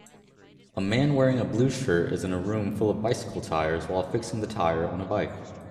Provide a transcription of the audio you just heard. A man wearing a blue shirt is in a room full of bicycle tires while fixing the tire on a bike